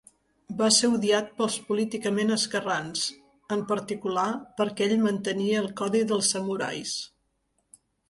Va ser odiat pels políticament esquerrans, en particular perquè ell mantenia el codi dels samurais.